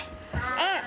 うん。